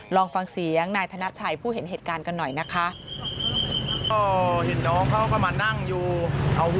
ลองฟังเสียงนายธนชัยผู้เห็นเหตุการณ์กันหน่อยนะคะ